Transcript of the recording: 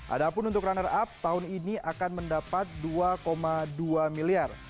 ada pun untuk runner up tahun ini akan mendapat dua dua miliar